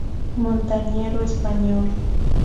Montañero español.